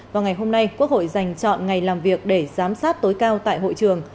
vào ngày hôm nay quốc hội dành chọn ngày làm việc để giám sát tối cao tại hội trường